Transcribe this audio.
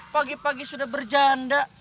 pagi pagi sudah berjanda